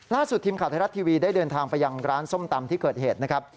ทีมข่าวไทยรัฐทีวีได้เดินทางไปยังร้านส้มตำที่เกิดเหตุนะครับ